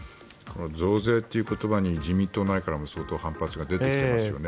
増税っていう言葉に自民党内からも相当反発が出てきていますよね。